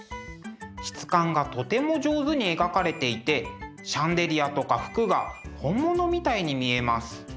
質感がとても上手に描かれていてシャンデリアとか服が本物みたいに見えます。